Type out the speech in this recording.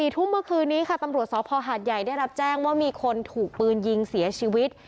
ทุ่มเมื่อคืนนี้ค่ะตำรวจสภหาดใหญ่ได้รับแจ้งว่ามีคนถูกปืนยิงเสียชีวิต